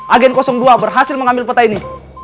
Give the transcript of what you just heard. agen dua berhasil mengambil peta ini